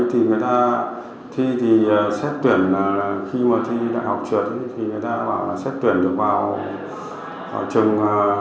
thì người ta thi thì xét tuyển là khi mà thi đại học trường thì người ta bảo là xét tuyển được vào trường